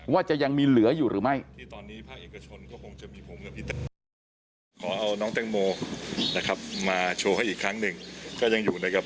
ว่าจะยังมีเหลืออยู่หรือไม่